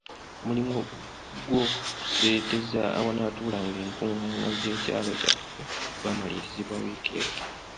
Omulimu gw'okuseeteeza awanaatuulanga enkungaana z'ekyalo kyaffe gwamalirizibwa wiiki ewedde.